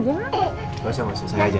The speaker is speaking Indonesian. gak usah gak usah saya ajak